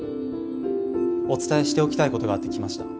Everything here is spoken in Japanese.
お伝えしておきたいことがあって来ました。